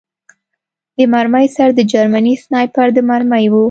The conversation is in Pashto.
د مرمۍ سر د جرمني سنایپر د مرمۍ و